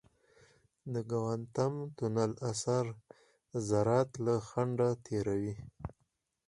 د کوانټم تونل اثر ذرات له خنډه تېروي.